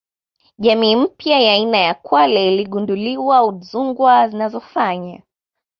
Jamii mpya ya aina ya kwale iligunduliwa wa Udzungwa zinazofanya